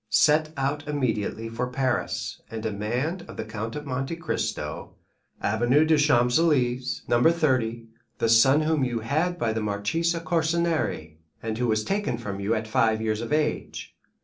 Set out immediately for Paris, and demand of the Count of Monte Cristo, Avenue des Champs Élysées, No. 30, the son whom you had by the Marchesa Corsinari, and who was taken from you at five years of age.